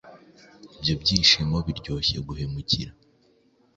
Ibyo byishimo biryoshye guhemukira.